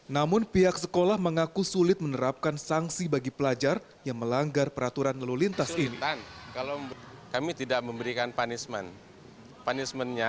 namun pihak sekolah mengaku sulit menerapkan sanksi bagi pelajar yang melanggar peraturan lalu lintas ini